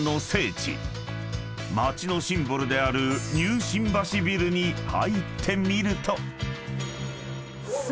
［街のシンボルであるニュー新橋ビルに入ってみると］